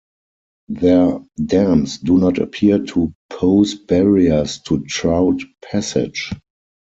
Their dams do not appear to pose barriers to trout passage.